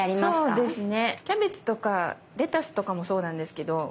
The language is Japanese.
そうですね。